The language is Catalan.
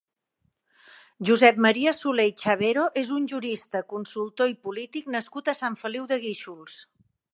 Josep Maria Solé i Chavero és un jurista, consultor i polític nascut a Sant Feliu de Guíxols.